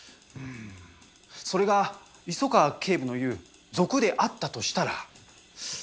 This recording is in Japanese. それが磯川警部の言う賊であったとしたら。